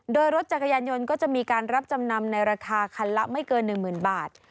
โดยรถจักรยานยนต์ก็จะมีการรับจำนำในราคาคันละไม่เกิน๑๐๐๐บาท